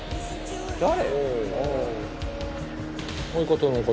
誰？」